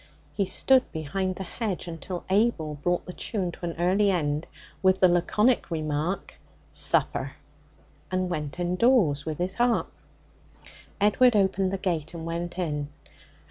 He stood behind the hedge until Abel brought the tune to an early end with the laconic remark, 'Supper,' and went indoors with his harp. Edward opened the gate and went in.